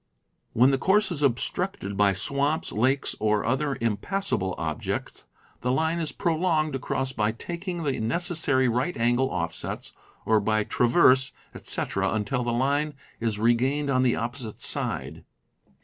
When the course is obstructed by swamps, lakes, or other impassable objects, the line is prolonged across by taking the necessary right angle offsets, or by trav erse, etc., until the line is regained on the opposite side.